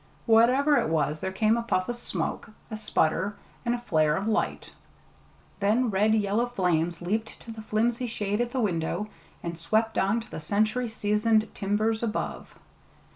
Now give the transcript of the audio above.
Whatever it was, there came a puff of smoke, a sputter, and a flare of light; then red yellow flames leaped to the flimsy shade at the window, and swept on to the century seasoned timbers above.